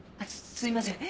すいません